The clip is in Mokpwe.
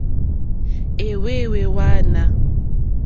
Ɛ̀hwɛ́hwɛ́ wààná.